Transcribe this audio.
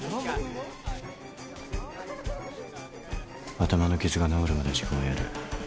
頭の傷が治るまで時間をやる。